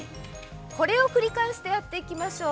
これを繰り返してやっていきましょう。